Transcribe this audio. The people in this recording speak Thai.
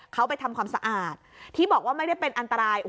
เขาไปทำความสะอาดที่บอกว่าไม่ได้เป็นอันตราย